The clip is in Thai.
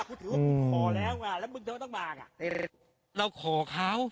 คุณถือว่าขอแล้วมาแล้วมึงเธอต้องมาค่ะเราขอเขา